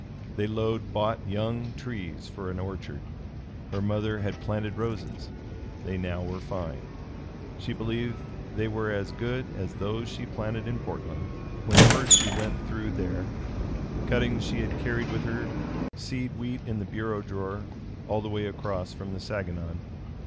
They load bought young trees for an orchard. Her mother had planted roses; they now were fine. She believed they were as good as those she planted in Portland, when first she went through there cuttings she had carried with her seed wheat in the bureau drawer, all the way across from the Saganon.